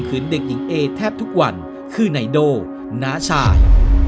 เด็กหญิงเอแทบทุกวันคือไนโดน้าชาย